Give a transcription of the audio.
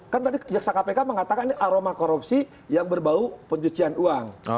kan tadi jaksa kpk mengatakan ini aroma korupsi yang berbau pencucian uang